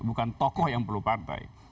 bukan tokoh yang perlu partai